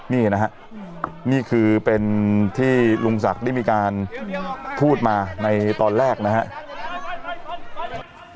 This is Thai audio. นี่นะครับนี่คือเป็นที่ลุงศักดิ์ได้มีการพูดมาในตอนแรกนะครับ